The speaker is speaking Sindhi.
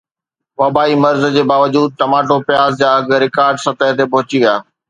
وبائي مرض جي باوجود ٽماٽو پياز جا اگهه رڪارڊ سطح تي پهچي ويا